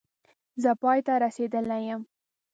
زه پای ته رسېدلی یم